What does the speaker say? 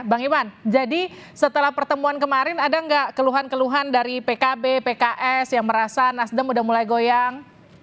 bang iwan jadi setelah pertemuan kemarin ada nggak keluhan keluhan dari pkb pks yang merasa nasdem udah mulai goyang